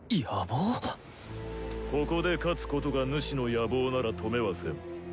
ここで勝つことがヌシの野望なら止めはせん。